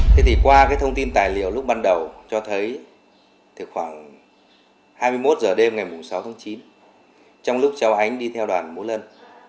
thế thì qua cái thông tin tài liệu lúc ban đầu cho thấy khoảng hai mươi một h đêm ngày sáu tháng chín trong lúc cháu ánh đi theo đoàn múa lân